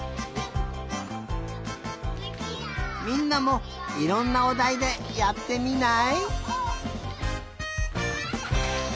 みんなもいろんなおだいでやってみない？